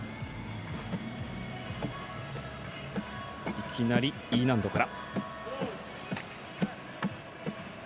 いきなりＥ難度から。